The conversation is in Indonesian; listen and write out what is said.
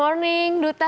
selamat pagi duta